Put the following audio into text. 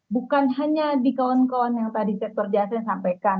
bukan hanya di kawan kawan yang tadi sektor jasri sampaikan